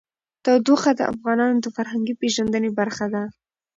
تودوخه د افغانانو د فرهنګي پیژندنې برخه ده.